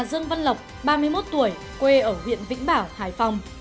dương văn lộc ba mươi một tuổi quê ở huyện vĩnh bảo hải phòng